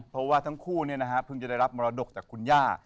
เพราะว่าทั้งคู่เพิ่งจะได้รับมรดกจากคุณย่า